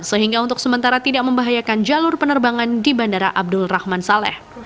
sehingga untuk sementara tidak membahayakan jalur penerbangan di bandara abdul rahman saleh